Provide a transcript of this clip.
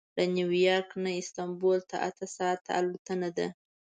له نیویارک نه استانبول ته اته ساعته الوتنه ده.